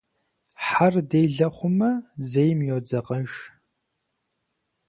Хьэр делэ хъумэ зейм йодзэкъэж.